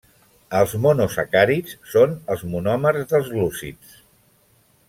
Els monosacàrids són els monòmers dels glúcids.